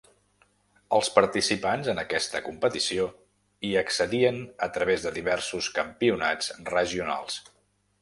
Els participants en aquesta competició hi accedien a través de diversos campionats regionals.